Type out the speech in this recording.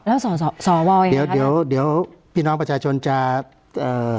แล้วสสสรโวยังไงครับเดี๋ยวเดี๋ยวน้องประชาชนจะเอ่อ